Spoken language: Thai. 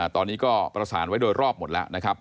ตอนนี้ก็ประสานไว้โดยรอบหมดแล้วนะครับ